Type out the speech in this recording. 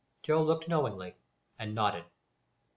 Joe looked knowing, and nodded.